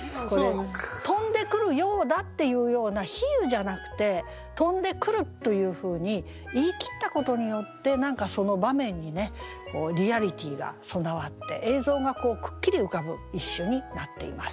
飛んでくるようだっていうような比喩じゃなくて「飛んでくる」というふうに言い切ったことによって何かその場面にねリアリティーが備わって映像がくっきり浮かぶ一首になっています。